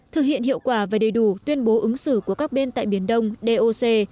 thực hiện hiệu quả và đầy đủ tuyên bố ứng xử của các bên tại biển đông doc